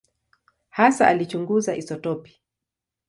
Hasa alichunguza isotopi.